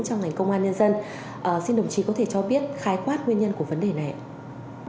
trong ngành công an nhân dân xin đồng chí có thể cho biết khái quát nguyên nhân của vấn đề này ạ